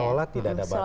sholat tidak ada batas